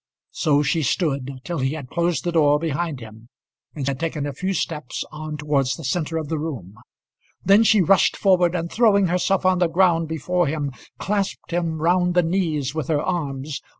So she stood till he had closed the door behind him, and had taken a few steps on towards the centre of the room. Then she rushed forward, and throwing herself on the ground before him clasped him round the knees with her arms.